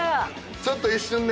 ちょっと一瞬ね。